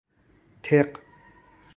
تق